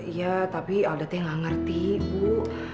iya tapi alda tee gak ngerti ibu